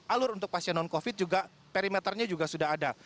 alur untuk pasien non covid juga perimeternya juga sudah ada